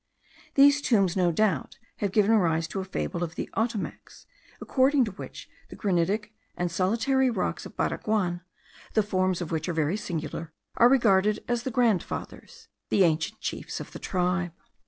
These tombs no doubt have given rise to a fable of the Ottomacs, according to which the granitic and solitary rocks of Baraguan, the forms of which are very singular, are regarded as the grandfathers, the ancient chiefs of the tribe.